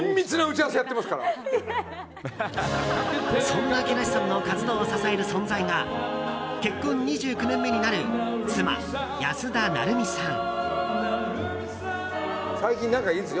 そんな木梨さんの活動を支える存在が結婚２９年目になる妻・安田成美さん。